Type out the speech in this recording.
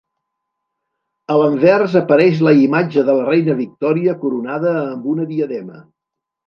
A l'anvers apareix la imatge de la Reina Victòria coronada amb una diadema.